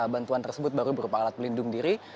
bantuan tersebut baru berupa alat pelindung diri